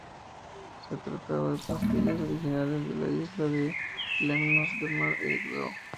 Se trataba de pastillas originales de la Isla de Lemnos, del mar Egeo.